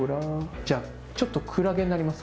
じゃあちょっとクラゲになります。